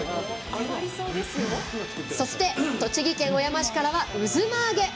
そして、栃木県小山市からはうづまあげ。